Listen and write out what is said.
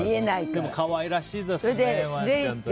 でも可愛らしいですね。